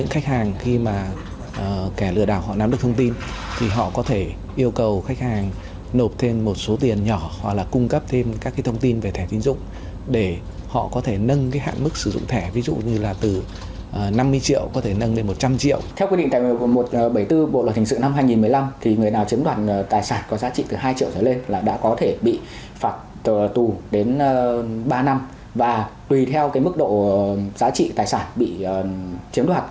người nào chiếm đoạt tài sản có giá trị từ hai triệu trở lên là đã có thể bị phạt tù đến ba năm và tùy theo mức độ giá trị tài sản bị chiếm đoạt